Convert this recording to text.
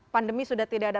pandemi sudah tidak ada